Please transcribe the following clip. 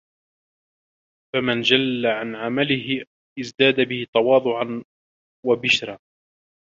فَمَنْ جَلَّ عَنْ عَمَلِهِ ازْدَادَ بِهِ تَوَاضُعًا وَبِشْرًا